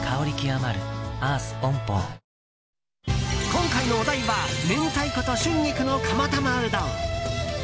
今回のお題は明太子と春菊の釜玉うどん。